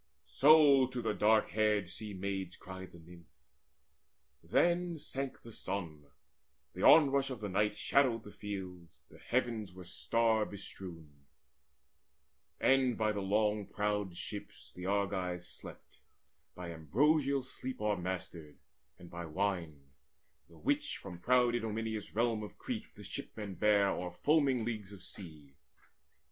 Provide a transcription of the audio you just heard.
So to the dark haired Sea maids cried the Nymph. Then sank the sun: the onrush of the night Shadowed the fields, the heavens were star bestrewn; And by the long prowed ships the Argives slept By ambrosial sleep o'ermastered, and by wine The which from proud Idomeneus' realm of Crete: The shipmen bare o'er foaming leagues of sea.